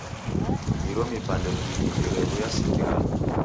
Iro mipande iw'i nderaw'iasikirana.